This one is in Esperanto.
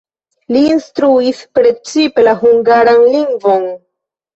Li instruis precipe la hungaran lingvon.